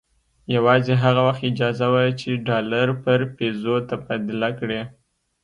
یوازې هغه وخت اجازه وه چې ډالر پر پیزو تبادله کړي.